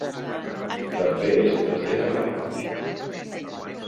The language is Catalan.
També és present a Guam.